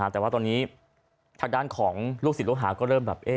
แต่ว่าตอนนี้ทางด้านของลูกศิษย์ลูกหาก็เริ่มแบบ